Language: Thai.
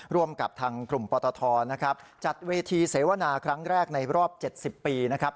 ร่วมกับทางกลุ่มปตทนะครับจัดเวทีเสวนาครั้งแรกในรอบ๗๐ปีนะครับ